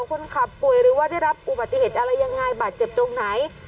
คนขับป่วยหรือว่าได้รับอุบัติเหตุอะไรยังไงบาดเจ็บตรงไหน